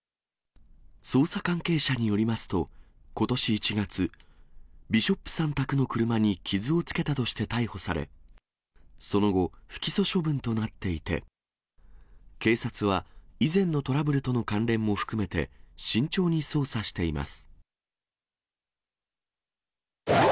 捜査関係者によりますと、ことし１月、ビショップさん宅の車に傷をつけたとして逮捕され、その後、不起訴処分となっていて、警察は、以前のトラブルとの関連も含めて、慎重に捜査しています。